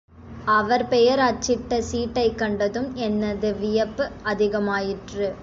அவர் பெயர் அச்சிட்ட சீட்டைக் கண்டதும் எனது வியப்பு அதிகமாயிற்று.